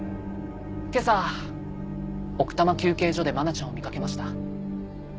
今朝奥多摩休憩所で愛菜ちゃんを見かけました。